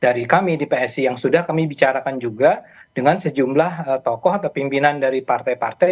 dari kami di psi yang sudah kami bicarakan juga dengan sejumlah tokoh atau pimpinan dari partai partai